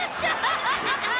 アハハハハ。